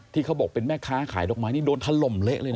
เขาบอกเป็นแม่ค้าขายดอกไม้นี่โดนถล่มเละเลยนะ